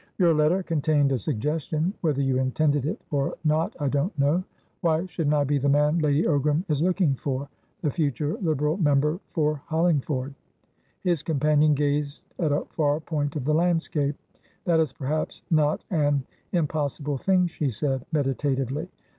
"Your letter contained a suggestion; whether you intended it or not, I don't know. Why shouldn't I be the man Lady Ogram is looking forthe future Liberal member for Hollingford?" His companion gazed at a far point of the landscape. "That is perhaps not an impossible thing," she said, meditatively.